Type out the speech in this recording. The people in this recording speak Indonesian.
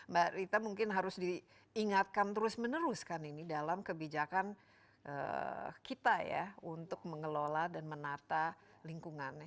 mbak rita mungkin harus diingatkan terus meneruskan ini dalam kebijakan kita ya untuk mengelola dan menata lingkungan